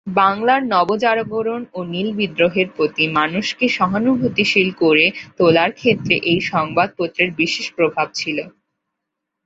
বাংলার নবজাগরণ ও নীল বিদ্রোহের প্রতি মানুষকে সহানুভূতিশীল করে তোলার ক্ষেত্রে এই সংবাদপত্রের বিশেষ প্রভাব ছিল।